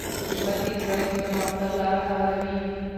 خدمت د ټولنې د پرمختګ لاره هواروي.